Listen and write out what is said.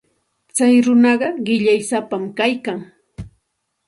Tsay runaqa qillaysapam kaykan.